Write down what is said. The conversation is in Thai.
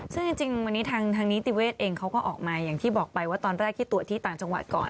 ซึ่งจริงวันนี้ทางนิติเวศเองเขาก็ออกมาอย่างที่บอกไปว่าตอนแรกที่ตรวจที่ต่างจังหวัดก่อน